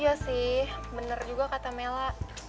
iya sih bener juga kata mela